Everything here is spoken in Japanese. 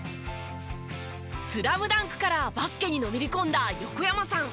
『ＳＬＡＭＤＵＮＫ』からバスケにのめり込んだ横山さん。